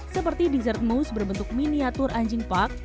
seperti dessert mose berbentuk miniatur anjing park